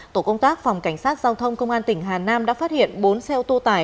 tổ công tác phòng cảnh sát giao thông công an tỉnh hà nam đã phát hiện bốn xe ô tô tải